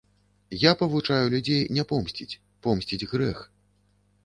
Я павучаю людзей не помсціць, помсціць грэх.